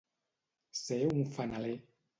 Ser un fanaler.